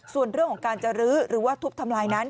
ส่วนเรื่องของการจะรื้อหรือว่าทุบทำลายนั้น